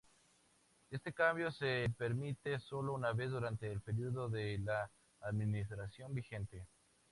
Este cambio se permite solo una vez durante el período de la administración vigente.